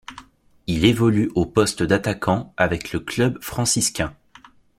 Il évolue au poste d'attaquant avec le Club franciscain.